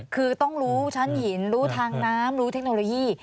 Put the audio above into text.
คือต้องรู้ชั้นหินรู้ทางน้ำรู้เทคโนโลยี